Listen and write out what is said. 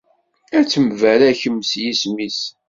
Ad ttembaraken s yisem-is.